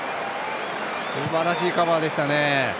すばらしいカバーでしたね。